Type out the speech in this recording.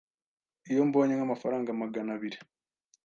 iyo mbonye nk’amafaranga magana biri